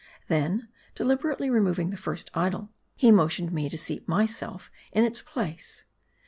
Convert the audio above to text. Then deliberately removing the first idol, he motioned me to 200 M A R D I. seat myself in its place.